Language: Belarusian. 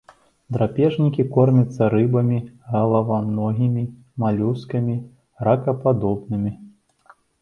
Драпежнікі, кормяцца рыбамі, галаваногімі малюскамі, ракападобнымі.